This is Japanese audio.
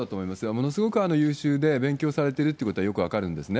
ものすごく優秀で、勉強されてるっていうことはよく分かるんですね。